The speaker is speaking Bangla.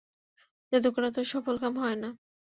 জাদুকররা তো সফলকাম হয় না।